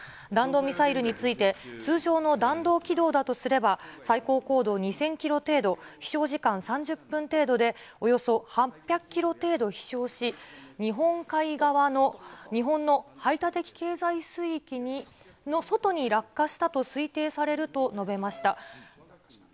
弾道ミサイルについて、通常の弾道軌道だとすれば、最高高度２０００キロ程度、飛しょう時間３０分程度で、およそ８００キロ程度飛しょうし、日本海側の日本の排他的経済水域の外に落下したと推定されると述べました。